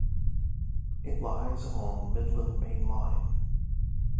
It lies on the Midland Main Line.